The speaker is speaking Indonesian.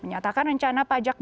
menyatakan rencana pajak beli